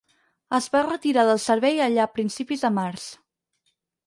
Es va retirar del servei allà a principis de març.